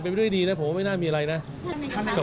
ประเด็นเรื่องอะไรนะครับ